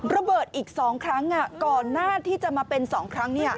ระเบิดอีก๒ครั้งก่อนหน้าที่จะมาเป็น๒ครั้ง